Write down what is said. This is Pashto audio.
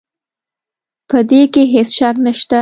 په دې کې هيڅ شک نشته